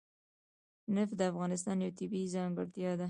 نفت د افغانستان یوه طبیعي ځانګړتیا ده.